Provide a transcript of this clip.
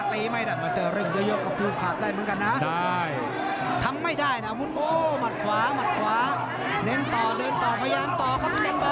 ตีไม่ได้มันเจอเรื่องเยอะกับฟูลพลาดได้เหมือนกันนะ